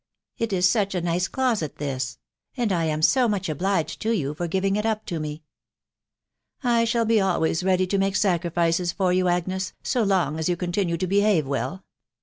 It is such a nice closet this, and I am so much obliged to yon for giving it up to me !"" I shall be alvaay* ready to make sacrifices for you, Agnes, so long as you. condone to behave well.